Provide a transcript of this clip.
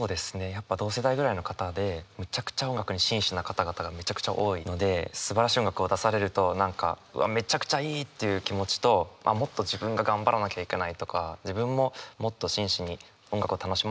やっぱ同世代ぐらいの方でむちゃくちゃ音楽に真摯な方々がむちゃくちゃ多いのですばらしい音楽を出されると何かうわめちゃくちゃいい！っていう気持ちともっと自分が頑張らなきゃいけないとか自分ももっと真摯に音楽を楽しまなきゃいけないなと思う。